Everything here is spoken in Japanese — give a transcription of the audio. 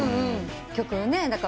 曲をね。